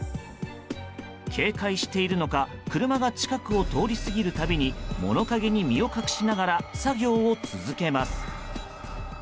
警戒しているのか車が近くを通り過ぎる度に物陰に身を隠しながら作業を続けます。